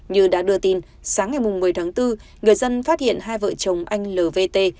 như đã đưa tin sáng ngày một mươi tháng bốn người dân phát hiện hai vợ chồng anh lvt